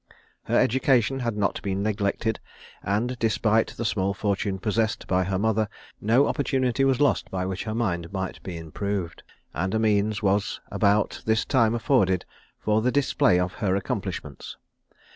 Her education had not been neglected; and, despite the small fortune possessed by her mother, no opportunity was lost by which her mind might be improved; and a means was about this time afforded for the display of her accomplishments.